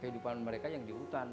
kehidupan mereka yang di hutan